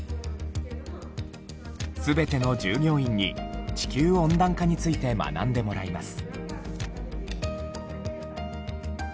全ての従業員に地球温暖化について学んでもらいます。